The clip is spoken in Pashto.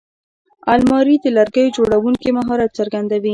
الماري د لرګیو جوړوونکي مهارت څرګندوي